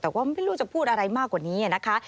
แต่ว่าไม่รู้จะพูดอะไรมากกว่านี้นะคะ